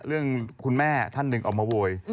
เรื่องคุณแม่ท่านหนึ่งออกมาโวย